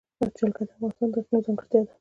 جلګه د افغانستان د اقلیم ځانګړتیا ده.